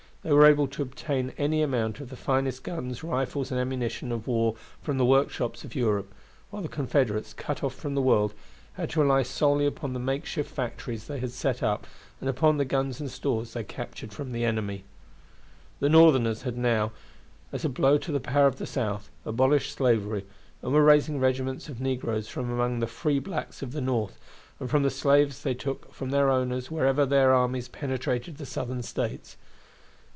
They were able to obtain any amount of the finest guns, rifles, and ammunition of war from the workshops of Europe; while the Confederates, cut off from the world, had to rely solely upon the makeshift factories they had set up, and upon the guns and stores they captured from the enemy. The Northerners had now, as a blow to the power of the South, abolished slavery, and were raising regiments of negroes from among the free blacks of the North, and from the slaves they took from their owners wherever their armies penetrated the Southern States.